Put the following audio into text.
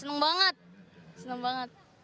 senang banget senang banget